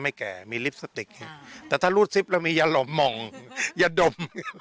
แก่มีลิปสติกแต่ถ้ารูดซิปแล้วมีอย่าหล่อหม่องอย่าดม